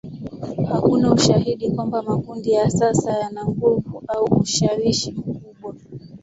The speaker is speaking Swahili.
Hakuna ushahidi kwamba makundi ya sasa yana nguvu au ushawishi mkubwa.